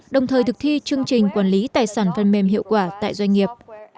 đồng thời thực thi chương trình quản lý tài sản phần mềm hiệu quả tại doanh nghiệp